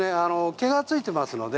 毛がついています。